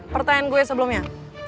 pertanyaan gue sebelumnya